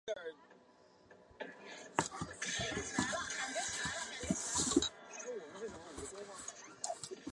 裸子植物的演化允许植物不再那么依赖水生存。